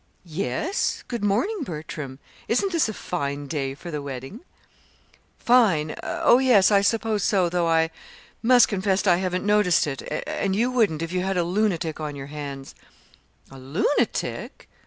"Yes. Good morning, Bertram. Isn't this a fine day for the wedding?" "Fine! Oh, yes, I suppose so, though I must confess I haven't noticed it and you wouldn't, if you had a lunatic on your hands." "A lunatic!"